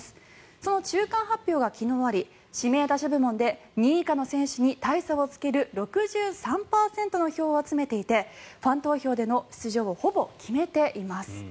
その中間発表が昨日あり指名打者部門で２位以下の選手に大差をつける６３％の票を集めていてファン投票での出場をほぼ決めています。